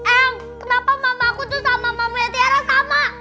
ayang kenapa mama aku tuh sama mama tiara sama